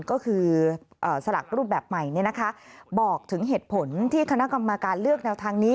ก็คือสลักรูปแบบใหม่บอกถึงเหตุผลที่คณะกรรมการเลือกแนวทางนี้